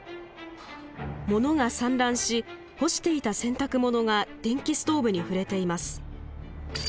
物が散乱し干していた洗濯物が電気ストーブに触れています。